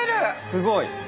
すごい。